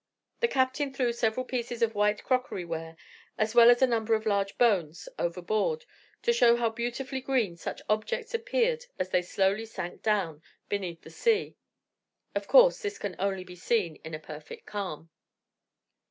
The captain threw several pieces of white crockeryware, as well as a number of large bones overboard, to show how beautifully green such objects appeared as they slowly sank down beneath the sea; of course this can only be seen in a perfect calm.